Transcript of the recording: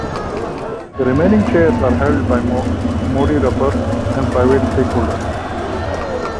The remaining shares are held by Modi Rubber and private stakeholders.